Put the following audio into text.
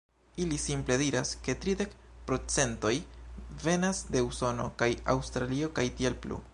Ili simple diras, ke tridek procentoj venas de Usono, kaj Aŭstralio, kaj tiel plu.